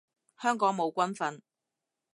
香港冇軍訓